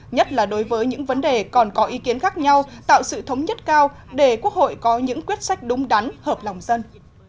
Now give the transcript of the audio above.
nhất là đối với những vấn đề còn có ý kiến khác nhau tạo sự thống nhất cao để quốc hội có những quyết sách đúng đắn hợp lòng dân